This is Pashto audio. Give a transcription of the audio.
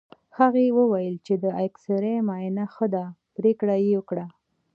هغه وویل چې د اېکسرې معاینه ښه ده، پرېکړه یې وکړه.